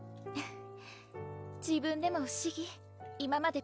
自分でも不思議今まで